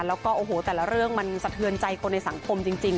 แล้วก็โอ้โหแต่ละเรื่องมันสะเทือนใจคนในสังคมจริง